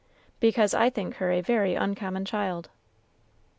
"Because I think her a very uncommon child."